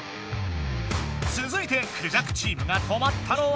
つづいてクジャクチームが止まったのは。